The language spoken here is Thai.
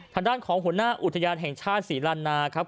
ทางด้านของหัวหน้าอุทยานแห่งชาติศรีลันนาครับ